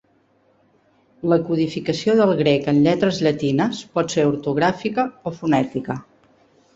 La codificació del grec en lletres llatines pot ser ortogràfica o fonètica.